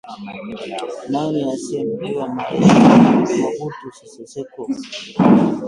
Nani asiyemjua Marehemu Mobutu Sese Seko